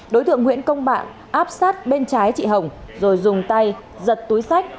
đối tượng nguyễn công bạn áp sát bên trái chị hồng rồi dùng tay giật túi sách